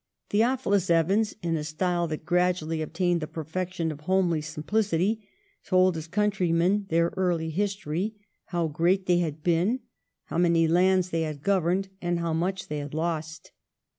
Theo philus Evans, in a style that gradually obtained the perfection of homely simplicity, told his country men their early history, how great they had been, how many lands they had governed, and how much they had lost.